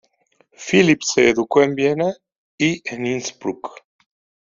Philipp se educó en Viena y en Innsbruck.